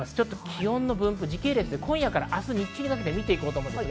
気温の分布、時系列で今夜から明日、日中にかけて見ていきます。